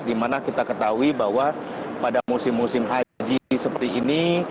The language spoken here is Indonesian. dimana kita ketahui bahwa pada musim musim haji seperti ini